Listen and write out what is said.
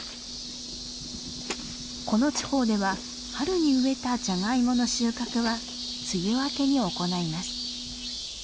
この地方では春に植えたジャガイモの収穫は梅雨明けに行います。